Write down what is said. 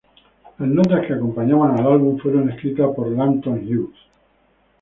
Las notas que acompañan al álbum fueron escritas por Langston Hughes.